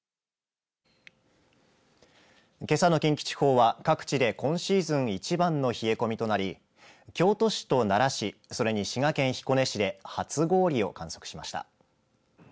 けさの近畿地方は各地で、今シーズン一番の冷え込みとなり京都市と奈良市それに滋賀県彦根市で初氷を観測しました。